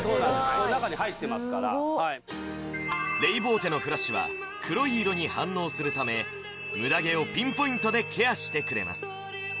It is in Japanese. この中に入ってますからレイボーテのフラッシュは黒い色に反応するためムダ毛をピンポイントでケアしてくれます